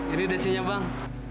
ini desinya bang